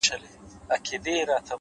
هڅه د خوبونو ژباړه ده،